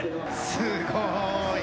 すごい。